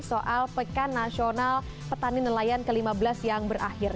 soal pekan nasional petani nelayan ke lima belas yang berakhir